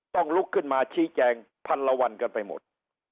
ลุกขึ้นมาชี้แจงพันละวันกันไปหมด